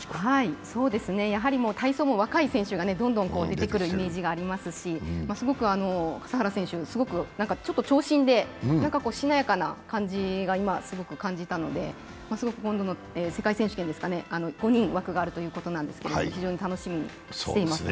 体操も若い選手がどんどん出てくるイメージがありますしすごく笠原選手、長身でしなやかな感じを今感じたので今度の世界選手権、５人の枠があるということですけれども非常に楽しみにしています。